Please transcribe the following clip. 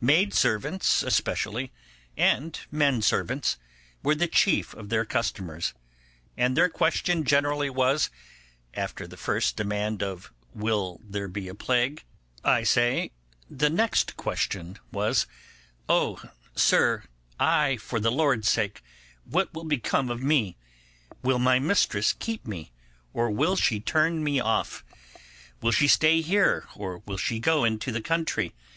Maid servants especially, and men servants, were the chief of their customers, and their question generally was, after the first demand of 'Will there be a plague?' I say, the next question was, 'Oh, sir I for the Lord's sake, what will become of me? Will my mistress keep me, or will she turn me off? Will she stay here, or will she go into the country?